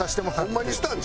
ホンマにしたん？